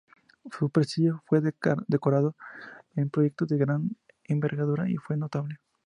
Su prestigio como decorador en proyectos de gran envergadura fue notable.